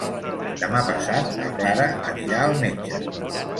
Demà passat na Clara anirà al metge.